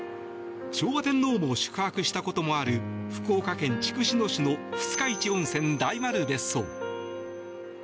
昭和天皇も宿泊したこともある福岡県筑紫野市の二日市温泉大丸別荘。